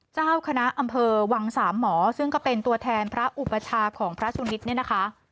เจ้าคณะอำเภอวังสามหมอซึ่งก็เป็นตัวแทนพระอุปชาของพระสุนิทเนี่ยนะคะ